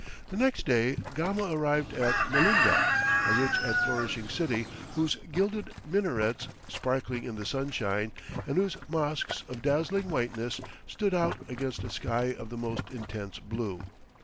The next day Gama arrived at Melinda, a rich and flourishing city, whose gilded minarets, sparkling in the sunshine, and whose mosques of dazzling whiteness, stood out against a sky of the most intense blue.